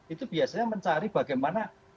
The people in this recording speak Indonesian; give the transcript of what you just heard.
itu biasanya mencari bagaimana